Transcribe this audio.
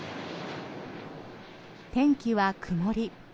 天気は曇り。